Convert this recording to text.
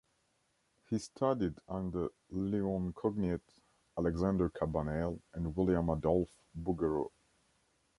He studied under Leon Cogniet, Alexandre Cabanel and William-Adolphe Bouguereau.